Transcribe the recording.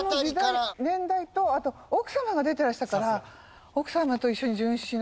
あの年代とあと奥様が出てらしたから奥様と一緒に殉死の。